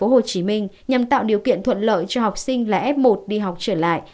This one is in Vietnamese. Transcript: ubnd tp hcm nhằm tạo điều kiện thuận lợi cho học sinh là f một đi học trở lại